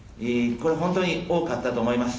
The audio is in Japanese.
これ、本当に多かったと思います。